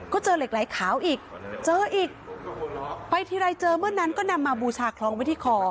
ก็เจอเหล็กไหลขาวอีกเจออีกไปทีไรเจอเมื่อนั้นก็นำมาบูชาคลองไว้ที่คอ